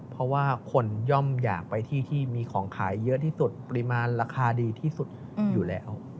เพราะว่าคนย่อมอยากไปที่ที่มีของขายเยอะที่สุดปริมาณราคาดีที่สุดอยู่แล้ว